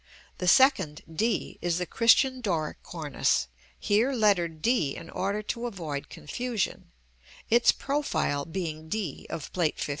The second, d, is the Christian Doric cornice, here lettered d in order to avoid confusion, its profile being d of Plate XV.